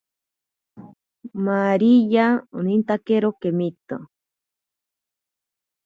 Maríya onintakero kemito.